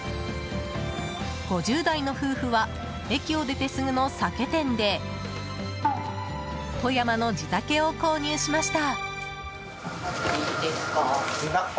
５０代の夫婦は駅を出てすぐの酒店で富山の地酒を購入しました。